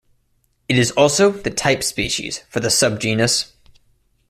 It is also the type species for the subgenus.